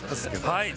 はい。